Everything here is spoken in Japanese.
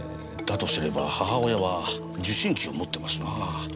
だとすれば母親は受信機を持ってますなあ。